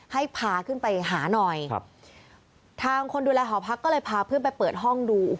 ให้พาขึ้นไปหาหน่อยครับทางคนดูแลหอพักก็เลยพาเพื่อนไปเปิดห้องดู